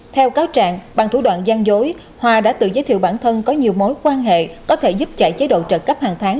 theo cáo trạng bằng thủ đoạn gian dối hòa đã tự giới thiệu bản thân có nhiều mối quan hệ có thể giúp chạy chế độ trợ cấp hàng tháng